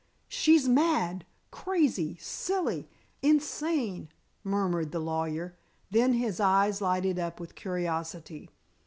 "She's mad, crazy, silly, insane," murmured the lawyer, then his eyes lighted up with curiosity.